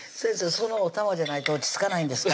そのお玉じゃないと落ち着かないんですか？